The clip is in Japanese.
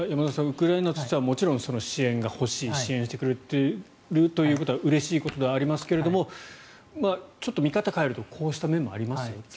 ウクライナとしては支援が欲しい支援してくれてることはうれしいことではありますがちょっと見方を変えるとこうした面もありますよと。